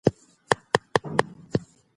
د ممتازو زده کوونکو نومونه په رسنیو کي خپریږي؟